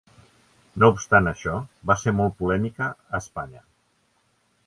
No obstant això va ser molt polèmica a Espanya.